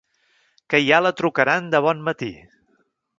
Que ja la trucaran de bon matí.